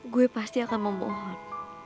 gue pasti akan memohon